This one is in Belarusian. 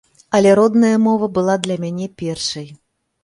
Але родная мова была для мяне першай.